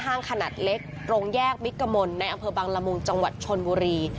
ขนาดเล็กตรงแยกมิกกมลในอำเภอบังละมุงจังหวัดชนบุรี